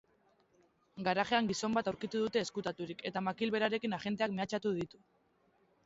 Garajean gizon bat aurkitu dute ezkutaturik eta makil berarekin agenteak mehatxatu ditu.